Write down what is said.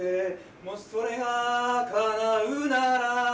「もしそれがかなうなら」